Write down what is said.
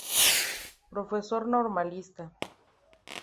Profesor normalista.